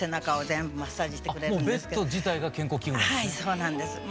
そうなんです。